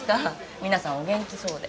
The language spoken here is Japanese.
皆さんお元気そうで。